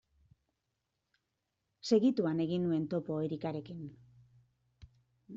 Segituan egin nuen topo Erikarekin.